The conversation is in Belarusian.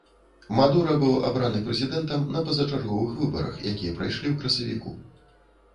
Мадура быў абраны прэзідэнтам на пазачарговых выбарах, якія прайшлі ў красавіку.